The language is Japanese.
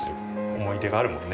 思い出があるもんね。